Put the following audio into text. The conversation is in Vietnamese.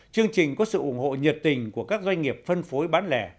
chương trình có sự ủng hộ nhiệt tình của các doanh nghiệp phân phối bán lẻ